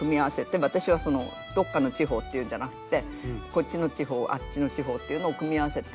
でも私はどっかの地方っていうんじゃなくてこっちの地方あっちの地方っていうのを組み合わせてデザインした。